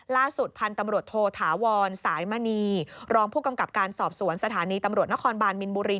ล่าสุดพันธุ์ตำรวจโทถาวรสายมณีรองผู้กำกับการสอบสวนสถานีตำรวจนครบานมินบุรี